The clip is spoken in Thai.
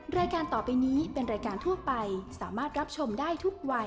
รายการต่อไปนี้เป็นรายการทั่วไปสามารถรับชมได้ทุกวัย